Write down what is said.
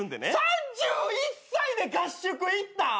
３１歳で合宿行ったん！？